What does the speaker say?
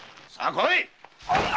来い！